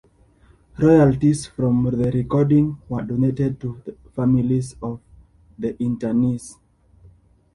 Royalties from the recording were donated to families of the internees.